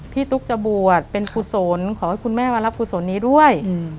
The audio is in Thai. พี่ตุ๊กจะบวชเป็นภูโศนขอให้คุณแม่วันรับภูโศนนี้ด้วย